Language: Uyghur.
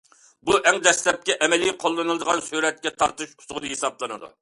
بۇ ئەڭ دەسلەپكى ئەمەلىي قوللىنىلىدىغان سۈرەتكە تارتىش ئۇسۇلى ھېسابلىنىدۇ.